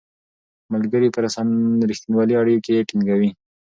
ملګري په رښتینولۍ اړیکې ټینګوي